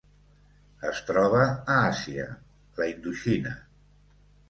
Es troba a Àsia: la Indoxina.